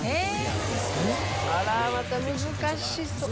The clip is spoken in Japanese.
あらまた難しそう。